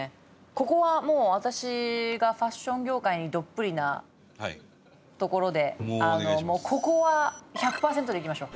ここはもう私がファッション業界にどっぷりなところでもうここは１００パーセントでいきましょう。